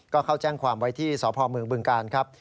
ก็เข้าแจ้งความไว้ที่สพเมืองบึงกาลครับ